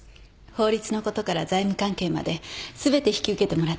法律のことから財務関係まで全て引き受けてもらってるんです。